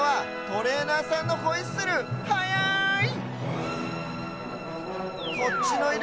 トレーナーさんのホイッスルチェアすごい！